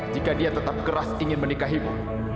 jika dia tetap keras ingin menikahimu